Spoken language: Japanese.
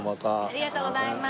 ありがとうございます。